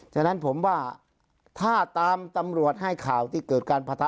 ฉะนั้นผมว่าถ้าตามตำรวจให้ข่าวที่เกิดการประทะ